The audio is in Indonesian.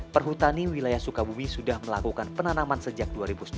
perhutani wilayah sukabumi sudah melakukan penanaman sejak dua ribu sembilan belas